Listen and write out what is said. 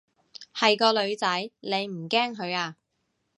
係個女仔，你唔驚佢啊？